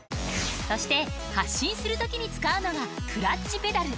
そして発進するときに使うのがクラッチペダル。